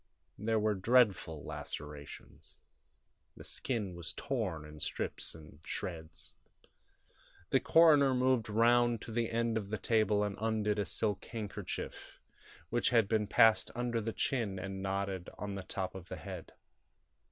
There were dreadful lacerations; the skin was torn in strips and shreds. The coroner moved round to the end of the table and undid a silk handkerchief, which had been passed under the chin and knotted on the top of the head.